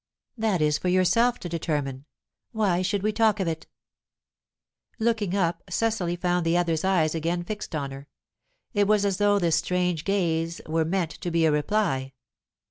"That is for yourself to determine. Why should we talk of it?" Looking up, Cecily found the other's eyes again fixed on her. It was as though this strange gaze were meant to be a reply.